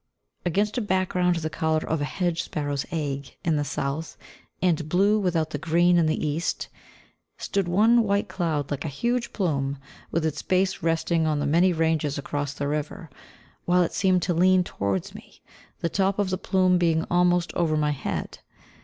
Against a background the colour of a hedge sparrow's egg in the south, and blue without the green in the east, stood one white cloud, like a huge plume, with its base resting on the many ranges across the river, while it seemed to lean towards me, the top of the plume being almost over my head.